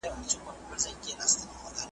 دغه شین اسمان شاهد دی .